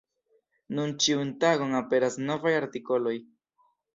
Nun ĉiun tagon aperas novaj artikoloj.